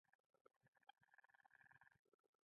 هغه له منځه وړي.